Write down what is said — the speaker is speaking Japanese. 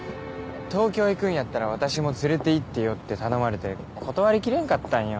東京行くんやったら私も連れていってよって頼まれて断りきれんかったんよ。